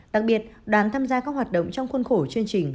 đặc biệt đoàn tham gia các hoạt động trong khuôn khổ chương trình